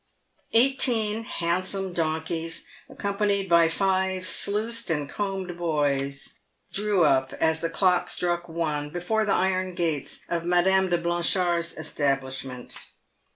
Eighteen handsome donkeys, accompanied by five sluiced and combed boys, drew up, as the clock struck one, before the iron gates of Madame de Blanchard's establishment.